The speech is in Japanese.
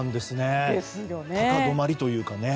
高止まりというかね。